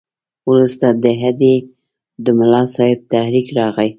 وروسته د هډې د ملاصاحب تحریک راغی.